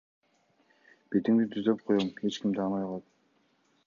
Бетиңди түздөп коём, эч ким тааныбай калат.